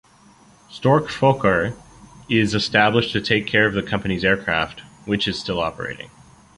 Stork Fokker is established to take care of the company's aircraft, which is still operating.